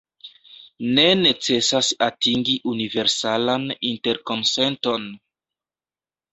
Ne necesas atingi universalan interkonsenton.